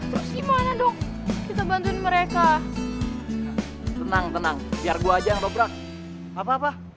gimana dong kita bantuin mereka tenang tenang biar gue aja apa apa